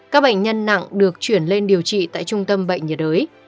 các bệnh nhân nặng được chuyển lên điều trị tại trung tâm bệnh nhiệt đới